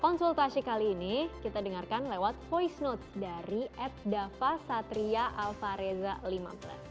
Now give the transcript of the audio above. konsultasi kali ini kita dengarkan lewat voice note dari edda fasatria alvarezza v